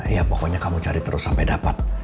ya pokoknya kamu cari terus sampai dapat